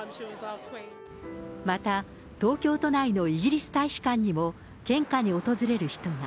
また東京都内のイギリス大使館にも献花に訪れる人が。